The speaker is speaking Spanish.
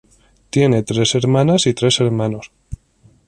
Tiene tres hermanas y tres hermanos.